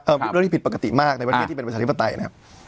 เรื่องที่ผิดปกติมากในวัฒนีประชาธิปไตยนะครับ